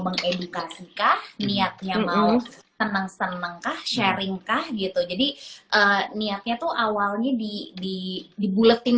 mengedukasikah niatnya mau teneng teneng kah sharing kah gitu jadi niatnya tuh awalnya dibuletin